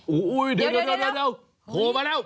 อุ๊ยเดี๋ยวเดี๋ยวโอ้โหมาแล้ว